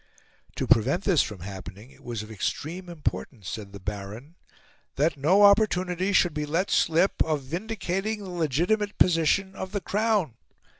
To prevent this from happening, it was of extreme importance, said the Baron, "that no opportunity should be let slip of vindicating the legitimate position of the Crown."